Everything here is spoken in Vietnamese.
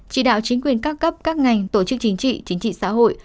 chỉ đạo chính quyền các cấp các ngành tổ chức chính trị chính trị xã hội